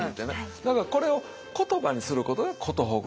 だからこれを言葉にすることが「寿ぐ」。